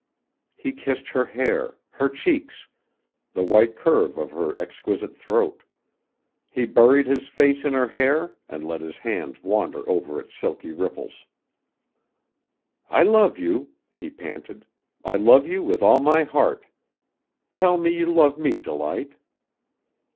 He kissed her hair, her cheeks, the white curve of her exquisite throat; he buried his face in her hair and let his hands wander over its silky ripples. "I love you," he panted, "I love you with all my heart. Tell me you love me, Delight."